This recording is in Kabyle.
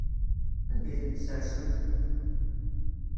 Anda ay ten-tessersemt?